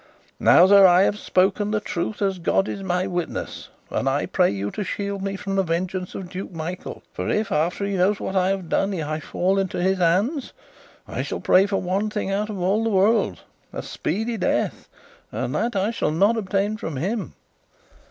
Now, sir, I have spoken the truth, as God is my witness, and I pray you to shield me from the vengeance of Duke Michael; for if, after he knows what I have done, I fall into his hands, I shall pray for one thing out of all the world a speedy death, and that I shall not obtain from him!"